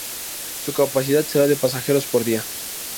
Su capacidad será de pasajeros por día.